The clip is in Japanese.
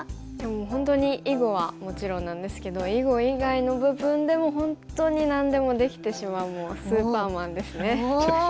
本当に囲碁はもちろんなんですけど囲碁以外の部分でも本当に何でもできてしまうもうスーパーマンですね。